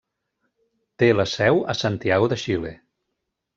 Té la seu a Santiago de Xile.